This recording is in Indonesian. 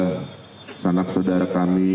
kepada keluarga sanak saudara kami